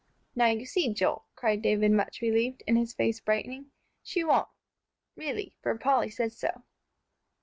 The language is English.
"Now you see, Joel," cried David, much relieved, and his face brightening, "she won't, really, for Polly says so."